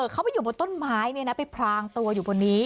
เขาไปอยู่บนต้นไม้ไปพรางตัวอยู่บนนี้